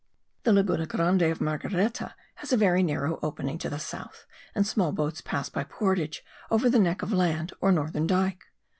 The Laguna Grande of Margareta has a very narrow opening to the south and small boats pass by portage over the neck of land or northern dyke.